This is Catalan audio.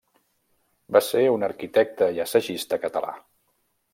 Va ser un arquitecte i assagista català.